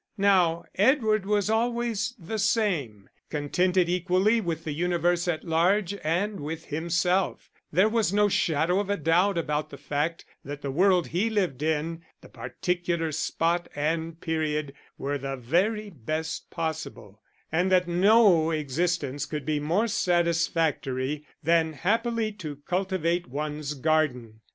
Now, Edward was always the same contented equally with the universe at large and with himself; there was no shadow of a doubt about the fact that the world he lived in, the particular spot and period, were the very best possible; and that no existence could be more satisfactory than happily to cultivate one's garden.